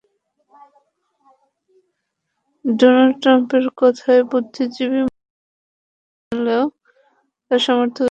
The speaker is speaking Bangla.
ডোনাল্ড ট্রাম্পের কথায় বুদ্ধিজীবী মহল ধিক্কার জানালেও, তার সমর্থকের কোনো অভাব নেই।